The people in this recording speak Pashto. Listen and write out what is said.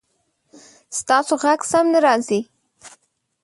ستاسو غږ سم نه راځي